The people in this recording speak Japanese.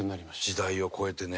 時代を超えてね。